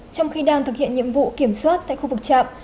trong khi đang thực hiện nhiệm vụ kiểm soát tại khu vực trạm